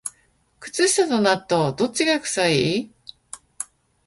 靴下と納豆、どっちが臭い？